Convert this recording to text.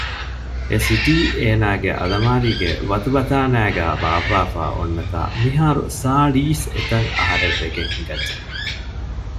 އެ ސިޓީ އޭނާގެ އަލަމާރީގެ ވަތުބަތާނައިގައި ބާއްވާފައި އޮންނަތާ މިހާރު ސާޅިސް އެތައް އަހަރެއް ވެގެން ހިނގައްޖެ